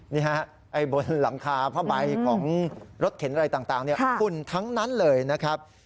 นี่ฮะไอ้บนหลังคาผ้าใบของรถเข็นอะไรต่างฝุ่นทั้งนั้นเลยนะครับ